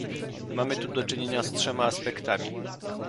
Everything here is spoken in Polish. Mamy tu do czynienia z trzema aspektami